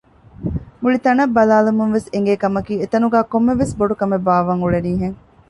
މުޅި ތަނަށް ބަލާލަުމުންވެސް އެނގޭ ކަމަކީ އެތަނުގައި ކޮންމެވެސް ބޮޑުކަމެއް ބާއްވަން އުޅެނީ ހެން